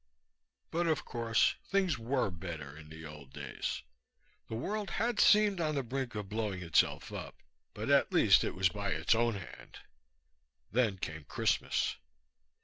But of course things were better in the old days. The world had seemed on the brink of blowing itself up, but at least it was by its own hand. Then came Christmas.